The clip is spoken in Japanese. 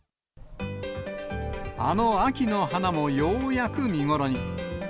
あの秋の花もようやく見頃に。